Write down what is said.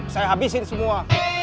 saya habisin semua